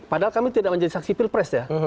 kita tidak menjadi saksi pilpres ya